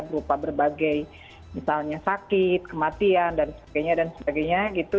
berupa berbagai misalnya sakit kematian dan sebagainya dan sebagainya gitu